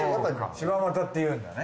柴又って言うんだね。